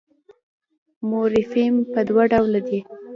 مورفیم پر دوه ډوله دئ.